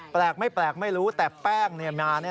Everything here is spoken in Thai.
แปลกไม่แปลกไม่รู้แต่แป้งนา